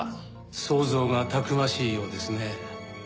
想像がたくましいようですね。